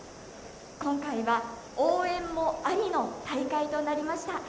今回は応援もありの大会となりました。